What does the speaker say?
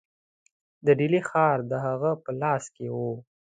د ډهلي ښار د هغه په لاس کې وو.